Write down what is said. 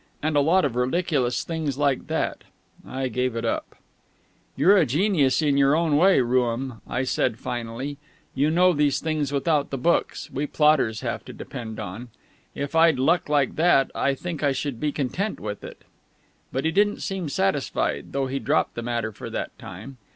and a lot of ridiculous things like that. I gave it up. "You're a genius in your own way, Rooum," I said finally; "you know these things without the books we plodders have to depend on. If I'd luck like that, I think I should be content with it." But he didn't seem satisfied, though he dropped the matter for that time.